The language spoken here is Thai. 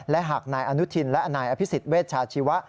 และหากนายอนุทินและอนายอภิษฎเวชาชีวะ